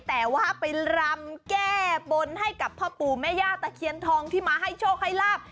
แต่ว่าไปรำแก้บนให้กับพ่อปู่แม่ย่าตะเคียนทองที่มาให้โชคให้ลาบ